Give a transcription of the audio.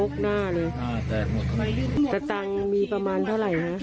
กระตะงมีประมาณเท่าไรนะ